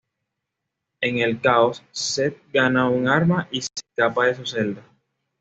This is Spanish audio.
En el caos, Seth gana un arma y se escapa de su celda.